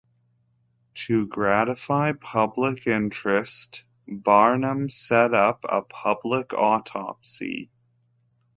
To gratify public interest, Barnum set up a public autopsy.